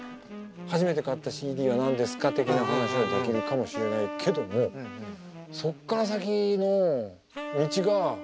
初めて買ったＣＤは何ですか的な話はできるかもしれないけどもそっから先の道が違うじゃない？